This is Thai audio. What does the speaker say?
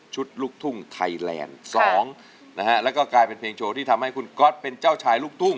ลูกทุ่งไทยแลนด์สองนะฮะแล้วก็กลายเป็นเพลงโชว์ที่ทำให้คุณก๊อตเป็นเจ้าชายลูกทุ่ง